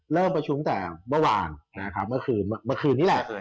เริ่มประชุมแต่เมื่อวานนะครับเมื่อคืนเมื่อคืนนี้แหละ